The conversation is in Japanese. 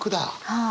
はい。